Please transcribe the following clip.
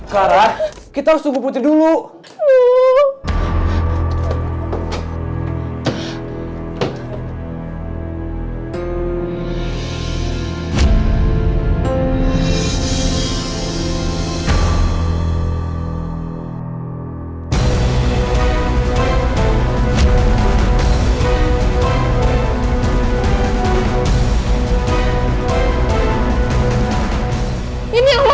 clara kita harus tunggu putri dulu